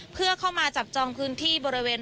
เพื่อเข้ามาจับจองพื้นที่บริเวณ